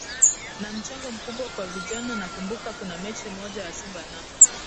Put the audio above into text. na mchango mkubwa kwa vijana Nakumbuka kuna mechi moja ya Simba na